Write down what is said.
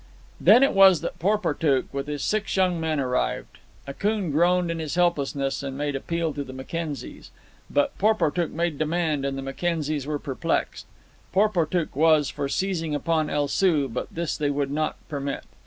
Then it was that Porportuk, with his six young men, arrived. Akoon groaned in his helplessness and made appeal to the Mackenzies. But Porportuk made demand, and the Mackenzies were perplexed. Porportuk was for seizing upon El Soo, but this they would not permit.